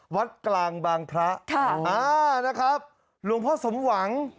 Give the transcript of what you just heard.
วัดกลางบางพระค่ะอ่านะครับหลวงพ่อสมหวัง